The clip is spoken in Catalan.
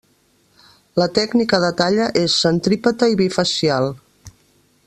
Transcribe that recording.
La tècnica de talla és centrípeta i bifacial.